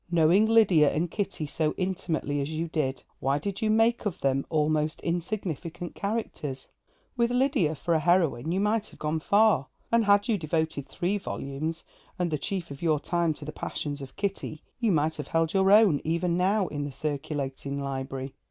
Knowing Lydia and Kitty so intimately as you did, why did you make of them almost insignificant characters? With Lydia for a heroine you might have gone far; and, had you devoted three volumes, and the chief of your time, to the passions of Kitty, you might have held your own, even now, in the circulating library.